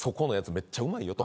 めっちゃうまいよと。